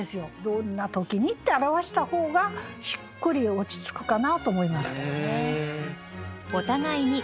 どんな時にって表した方がしっくり落ち着くかなと思いました。